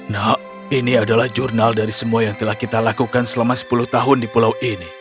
nak ini adalah jurnal dari semua yang telah kita lakukan selama sepuluh tahun di pulau ini